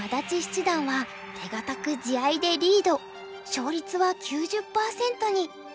勝率は９０％に。